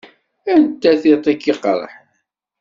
Anta tiṭ i k-iqerḥen?